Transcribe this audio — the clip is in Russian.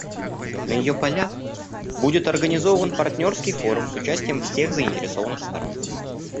На ее «полях» будет организован партнерский форум с участием всех заинтересованных сторон.